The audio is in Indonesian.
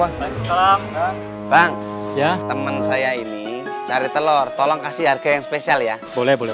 wah bang ya teman saya ini cari telur tolong kasih harga yang spesial ya boleh boleh